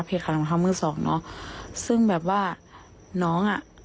เพจหลังของเขามือสองเนอะซึ่งแบบว่าน้องอ่ะ